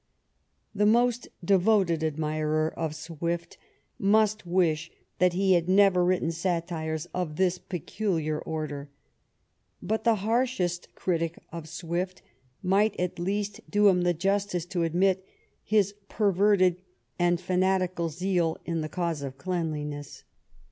The most devoted admirer of Swift must wish that he had never written satires of this peculiar order, but the harshest critic of Swift might, at least, do him the justice to admit his perverted and fanatical zeal in the cause of cleanliness.